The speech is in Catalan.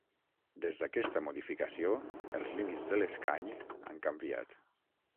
Des d'aquesta modificació, els límits de l'escany han canviat.